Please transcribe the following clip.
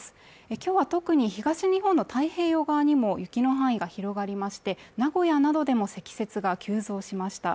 今日は特に東日本の太平洋側にも雪の範囲が広がりまして名古屋などでも積雪が急増しました